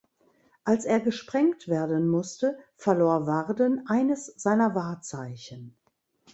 Als er gesprengt werden musste, verlor Warden eines seiner Wahrzeichen.